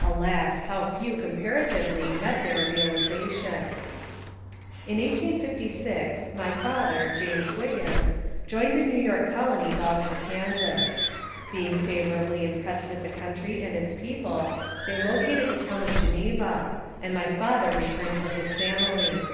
Alas! how few, comparatively, met their realization. In 1856, my father, James Wiggins, joined a New York colony bound for Kansas. Being favorably im pressed with the country and its people, they located the town of Geneva, and my father returned for his family.